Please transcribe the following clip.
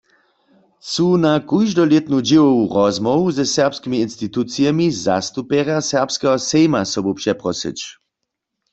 Chcu na kóždolětnu dźěłowu rozmołwu ze serbskimi institucijemi zastupjerja Serbskeho sejma sobu přeprosyć.